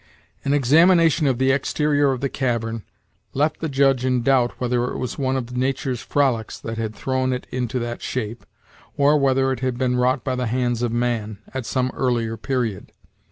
An examination of the exterior of the cavern left the Judge in doubt whether it was one of Nature's frolics that had thrown it into that shape, or whether it had been wrought by the hands of man, at some earlier period.